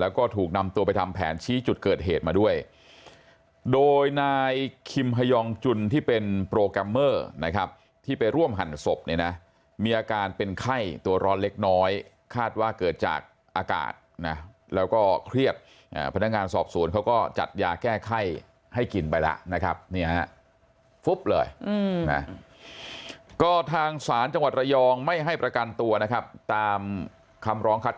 แล้วก็ถูกนำตัวไปทำแผนชี้จุดเกิดเหตุมาด้วยโดยนายคิมฮยองจุนที่เป็นโปรแกรมเมอร์นะครับที่ไปร่วมหั่นศพเนี่ยนะมีอาการเป็นไข้ตัวร้อนเล็กน้อยคาดว่าเกิดจากอากาศนะแล้วก็เครียดพนักงานสอบสวนเขาก็จัดยาแก้ไข้ให้กินไปแล้วนะครับเนี่ยฮะฟุ๊บเลยนะก็ทางศาลจังหวัดระยองไม่ให้ประกันตัวนะครับตามคำร้องคัด